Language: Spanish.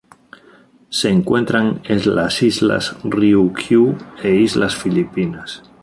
Se encuentran en las Islas Ryukyu e Islas Filipinas.